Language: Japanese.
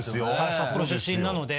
札幌出身なので。